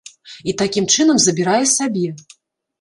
І такім чынам забірае сабе.